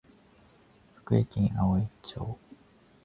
福井県おおい町